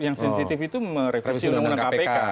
yang sensitif itu merevisi undang undang kpk